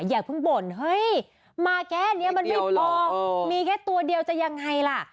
อย่าเพิ่งบ่นเฮ้ยมาแค่นี้มันไม่พอมีแค่ตัวเดียวจะยังไงล่ะ